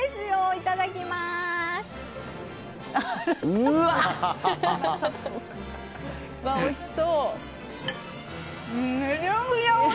うわ、おいしそう。